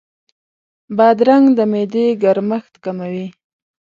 بادرنګ د معدې ګرمښت کموي.